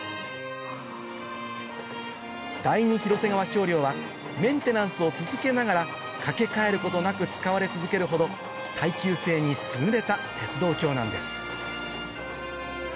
第二広瀬川橋梁はメンテナンスを続けながら架け替えることなく使われ続けるほど耐久性に優れた鉄道橋なんです